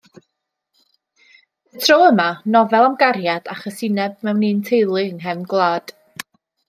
Y tro yma, nofel am gariad a chasineb mewn un teulu yng nghefn gwlad.